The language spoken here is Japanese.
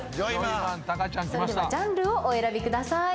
それではジャンルをお選びください。